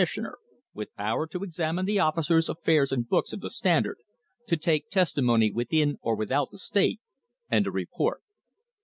Part II, page 39 CONCLUSION sioner, with power to examine the officers, affairs and books of the Standard, to take testimony within or without the state, and to report.